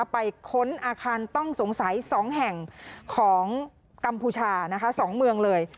ค้นอาคารต้องสงสัย๒แห่งของกัมพูชา๒เมืองเลย